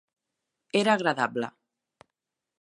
Era agradable.